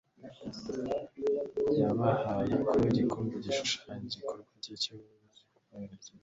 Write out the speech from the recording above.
yabahaye ku gikombe gishushanya igikorwa cye cyo kubakiza